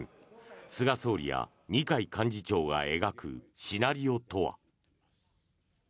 菅総理や二階幹事長が描くシナリオとは。